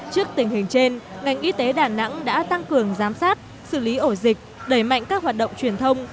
trước tình hình trên ngành y tế đà nẵng đã tăng cường giám sát xử lý ổ dịch đẩy mạnh các hoạt động truyền thông